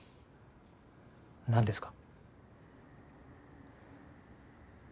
何ですか？